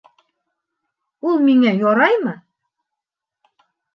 Ул миңә яраймы?